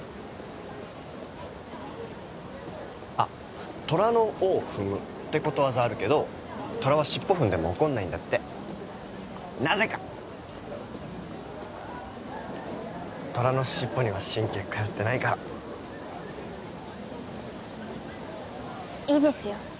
あ「虎の尾を踏む」ってことわざあるけど虎は尻尾踏んでも怒んないんだってなぜか虎の尻尾には神経通ってないからいいですよ